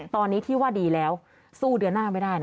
ตอนนี้ที่ว่าดีแล้วสู้เดือนหน้าไม่ได้นะ